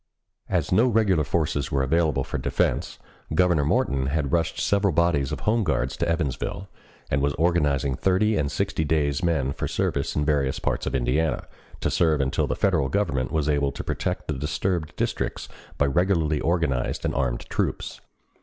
As no regular forces were available for defense, Governor Morton had rushed several bodies of Home Guards to Evansville, and was organizing thirty and sixty days' men for service in various parts of Indiana, to serve until the Federal Government was able to protect the disturbed districts by regularly organized and armed troops.